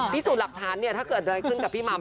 พิสูจน์หลักฐานเนี่ยถ้าเกิดอะไรขึ้นกับพี่หม่ำ